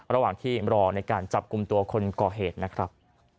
ระหว่างที่รอในการจับกลุ่มตัวคนก่อเหตุนะครับ